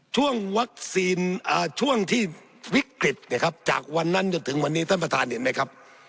ช่วงวัคซีนช่วงที่วิกฤตนะครับจากวันนั้นจนถึงวันนี้ท่านประธานเห็นไหมครับ